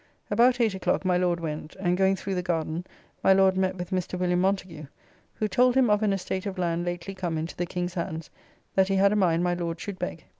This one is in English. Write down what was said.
About eight o'clock my Lord went; and going through the garden my Lord met with Mr. William Montagu, who told him of an estate of land lately come into the King's hands, that he had a mind my Lord should beg.